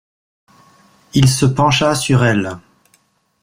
Il se pencha sur elle.